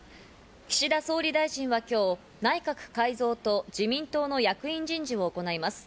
岸田総理大臣は今日、内閣改造と自民党の役員人事を行います。